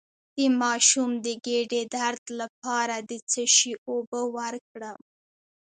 د ماشوم د ګیډې درد لپاره د څه شي اوبه ورکړم؟